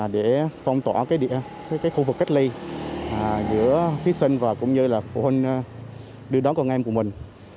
để phong tỏa khu vực cách ly giữa thí sinh và cũng như là phụ huynh đưa đón con em của mình